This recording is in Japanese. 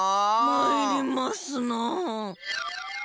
まいりますなあ。